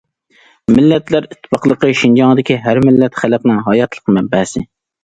مىللەتلەر ئىتتىپاقلىقى شىنجاڭدىكى ھەر مىللەت خەلقنىڭ ھاياتلىق مەنبەسى.